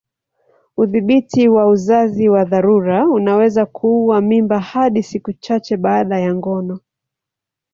Udhibiti wa uzazi wa dharura unaweza kuua mimba hadi siku chache baada ya ngono.